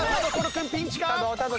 君ピンチか？